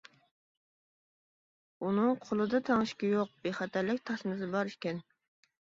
بۇنىڭ قولىدا تەڭشىكى يوق، بىخەتەرلىك تاسمىسى بار ئىكەن.